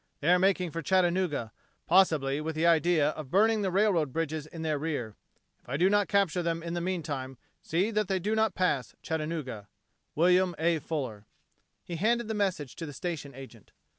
They are making for Chattanooga, possibly with the idea of burning the railroad bridges in their rear. If I do not capture them in the meantime, see that they do not pass Chattanooga. "WILLIAM A. FULLER." He handed the message to the station agent.